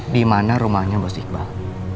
di mana rumahnya mas iqbal